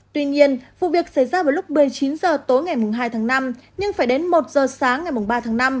tuy nhiên vụ việc xảy ra vào lúc một mươi chín h tối ngày hai tháng năm nhưng phải đến một h sáng ngày ba tháng năm